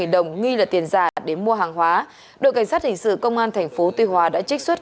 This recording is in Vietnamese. năm trăm linh đồng nghi là tiền giả để mua hàng hóa đội cảnh sát hình sự công an tp tuy hòa đã trích xuất